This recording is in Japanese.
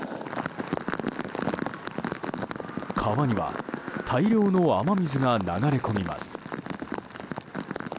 川には大量の雨水が流れ込みます。